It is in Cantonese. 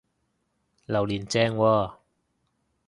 榴槤正喎！